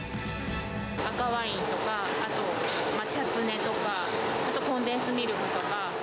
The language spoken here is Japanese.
赤ワインとか、あと、チャツネとか、コンデンスミルクとか。